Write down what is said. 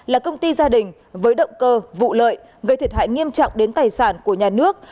là công ty gia đình với động cơ vụ lợi gây thiệt hại nghiêm trọng đến tài sản của nhà nước